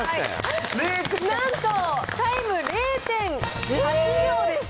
なんと、タイム０．８秒です